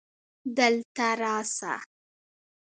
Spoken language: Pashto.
دلته راسه